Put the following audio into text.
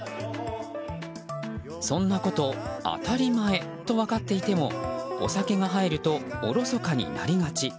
そんなこと当たり前と分かっていてもお酒が入るとおろそかになりがち。